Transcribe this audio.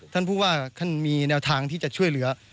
ท่านผู้ว่าท่านมีแนวทางที่จะช่วยเหลือ